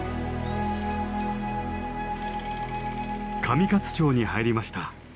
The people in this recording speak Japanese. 上勝町に入りました。